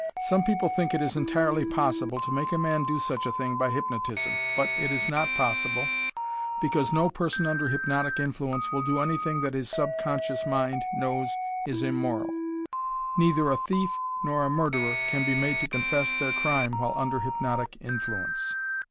Some people think it is entirely possible to make a man do such a thing by hypnotism, but it is not possible because no person under hypnotic influence will do anything that his subconscious mind knows is immoral. Neither a thief nor a murderer can be made to confess their crime while under hypnotic influence.